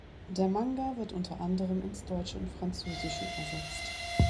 Der Manga wird unter anderem ins Deutsche und Französische übersetzt.